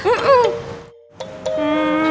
kita jangan nunggu di rumah